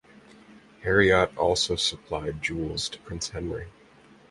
Heriot also supplied jewels to Prince Henry.